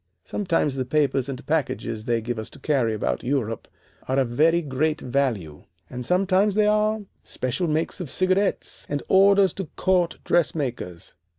Sometimes the papers and packages they give us to carry about Europe are of very great value, and sometimes they are special makes of cigarettes, and orders to court dressmakers.